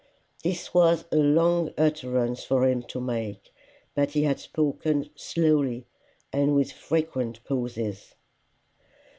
This was a long utterance for him to make, but he had spoken slowly, and with frequent pauses.